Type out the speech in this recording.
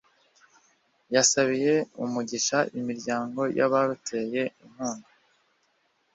yasabiye umugisha imiryango y’abaruteye inkunga